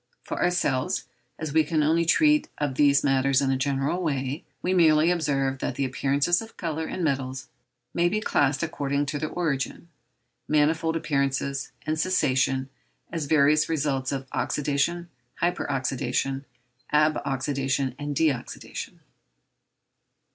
For ourselves, as we can only treat of these matters in a general way, we merely observe that the appearances of colour in metals may be classed according to their origin, manifold appearance, and cessation, as various results of oxydation, hyper oxydation, ab oxydation, and de oxydation.